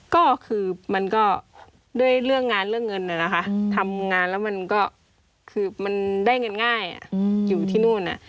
ก็คือมันก็ด้วยเรื่องงานเรื่องเงินน่ะนะคะทำงานแล้วมันก็คือมันได้เงินง่ายอยู่ที่นู่น